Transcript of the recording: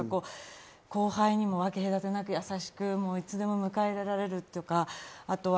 後輩にも分け隔てなく優しく、いつでも迎え出られるとか。